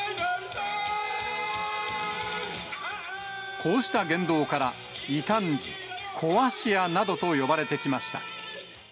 こうした言動から、異端児、壊し屋などと呼ばれてきました。